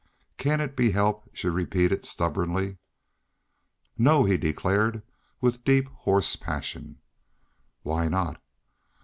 "Cain't it be helped?" she repeated, stubbornly. "No!" he declared, with deep, hoarse passion. "Why not?"